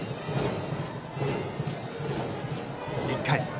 １回。